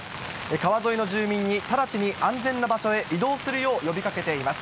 川沿いの住民に直ちに安全な場所へ移動するよう呼びかけています。